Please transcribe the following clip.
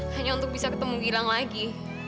hanya untuk bisa ketemu girang lagi